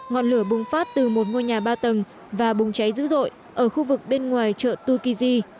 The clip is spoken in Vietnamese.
ngọn lửa bùng phát từ một ngôi nhà ba tầng và bùng cháy dữ dội ở khu vực bên ngoài chợ tukiji